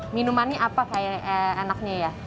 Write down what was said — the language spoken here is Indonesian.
minumannya apa kayak enaknya ya